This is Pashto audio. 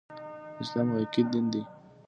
اسلام حقيقي دين دی